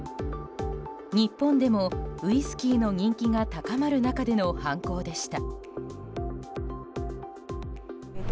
日本でもウイスキーの人気が高まる中での犯行でした。